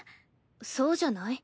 そうじゃない？